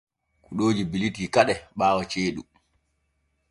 Kuɗooji bilitii kade ɓaawo ceeɗum.